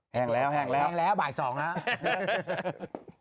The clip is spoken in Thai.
แห้งแล้วแห้งแล้วบ่ายสองแล้ว